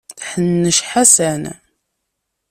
Ḥennec Ḥasan.